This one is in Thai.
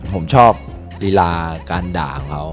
ผมชอบลีลาการด่าเขา